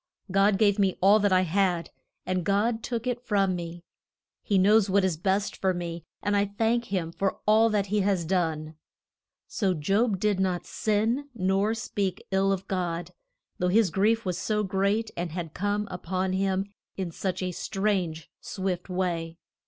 God gave me all that I had, and God took it from me. He knows what is best for me, and I thank him for all that he has done. So Job did not sin, nor speak ill of God, though his grief was so great and had come up on him in such a strange, swift way.